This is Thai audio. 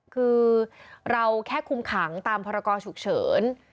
คือเราแค่คุมขังตามพรกรฉุกเฉิน